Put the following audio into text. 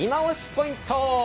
ポイント